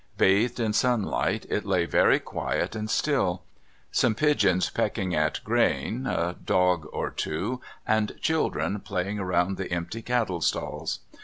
Bathed in sunlight it lay very quiet and still; some pigeons pecking at grain, a dog or two, and children playing round the empty cattle stalls.